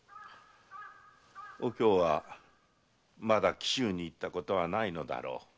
お京はまだ紀州に行ったことはないのだろう。